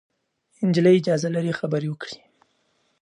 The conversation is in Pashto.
نجلۍ اجازه لري خبرې وکړي.